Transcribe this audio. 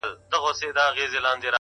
پوهه د ذهن کړکۍ پرانیزي؛